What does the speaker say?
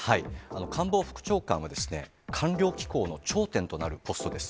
官房副長官は、官僚機構の頂点となるポストです。